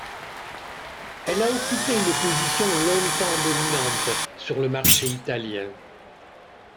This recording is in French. Elle a occupé une position longtemps dominante sur le marché italien.